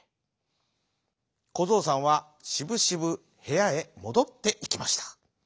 こぞうさんはしぶしぶへやへもどっていきました。